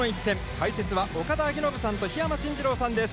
解説は岡田彰布さんと桧山進次郎さんです。